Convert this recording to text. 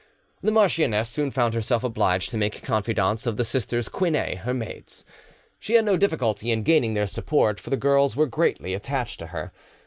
The marchioness soon found herself obliged to make confidantes of the sisters Quinet, her maids; she had no difficulty in gaining their support, for the girls were greatly attached to her.